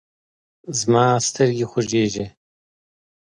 زما سترګې خوږیږي